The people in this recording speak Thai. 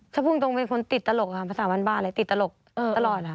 ถ้าพูดตรงเป็นคนติดตลกค่ะภาษาบ้านบ้าเลยติดตลกตลอดค่ะ